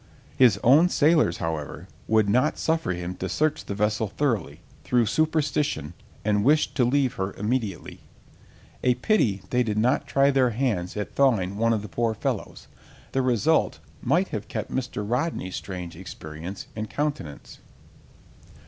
"His own sailors, however, would not suffer him to search the vessel thoroughly, through superstition, and wished to leave her immediately." A pity they did not try their hands at thawing one of the poor fellows: the result might have kept Mr. Rodney's strange experience in countenance!